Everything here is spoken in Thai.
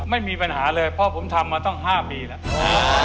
ไม่มีปัญหาเลยเพราะผมทำมาตั้ง๕ปีแล้ว